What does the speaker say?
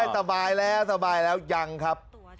ตะบายแล้วยังครับ